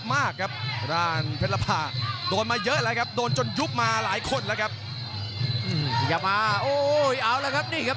ซ้ายยาวโอ้ยดึงกับไม่พ้นครับ